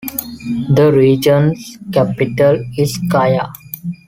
The region's capital is Kaya.